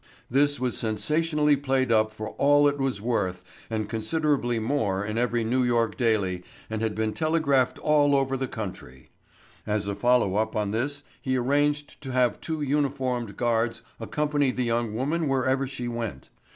This was sensationally played up for all it was worth and considerably more in every New York daily and had been telegraphed all over the country. As a "follow up" on this he arranged to have two uniformed guards accompany the young woman wherever she went.